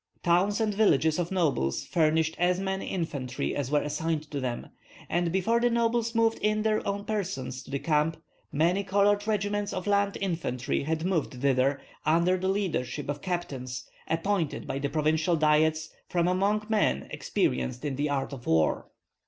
Towns and villages of nobles furnished as many infantry as were assigned to them; and before the nobles moved in their own persons to the camp many colored regiments of land infantry had moved thither under the leadership of captains appointed by the provincial diet from among men experienced in the art of war.